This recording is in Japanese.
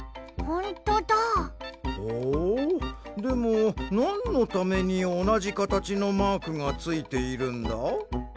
ほうでもなんのためにおなじかたちのマークがついているんだ？